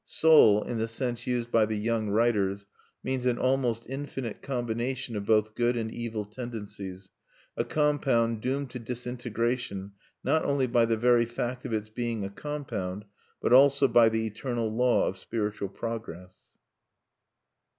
"Soul," in the sense used by the young writers, means an almost infinite combination of both good and evil tendencies, a compound doomed to disintegration not only by the very fact of its being a compound, but also by the eternal law of spiritual progress.